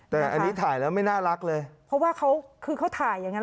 แต่อันนี้ถ่ายแล้วไม่น่ารักเลยเพราะว่าเขาคือเขาถ่ายอย่างนั้น